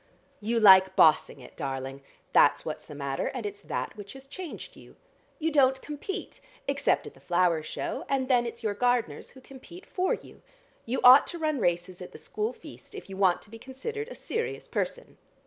You like bossing it, darling: that's what's the matter, and it's that which has changed you. You don't compete, except at the flower show, and then it's your gardeners who compete for you. You ought to run races at the school feast, if you want to be considered a serious person."